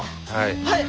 はい。